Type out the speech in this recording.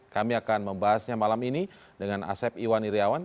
kami akan membahasnya malam ini dengan asep iwan iryawan